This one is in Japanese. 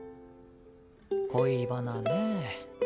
恋バナね。